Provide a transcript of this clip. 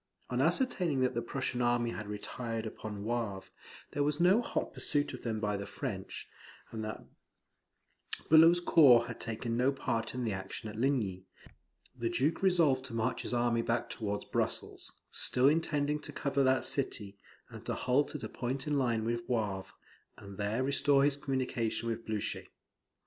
On ascertaining that the Prussian army had retired upon Wavre, that there was no hot pursuit of them by the French, and that Bulow's corps had taken no part in the action at Ligny, the Duke resolved to march his army back towards Brussels, still intending to cover that city, and to halt at a point in a line with Wavre, and there restore his communication with Blucher.